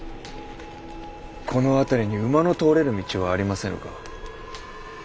この辺りに馬の通れる道はありませぬか。